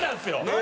何？